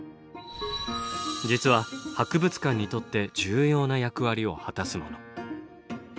実は博物館にとって重要な役割を果たすもの。